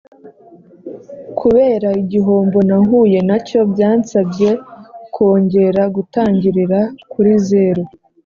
Kubera igihombo nahuye nacyo byansabye kongera gutangirira kuri zero